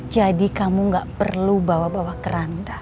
jadi kamu gak perlu bawa bawa keranda